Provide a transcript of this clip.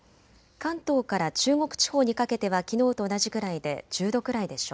関東から中国地方にかけてはきのうと同じくらいで１０度くらいでしょう。